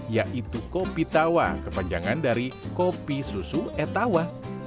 yaitu kopi tawa kepanjangan dari kopi susu etawa